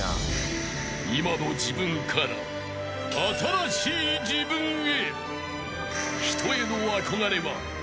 ［今の自分から新しい自分へ］